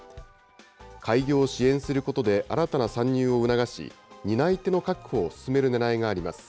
開業を支援することで新たな参入を促し、担い手の確保を進めるねらいがあります。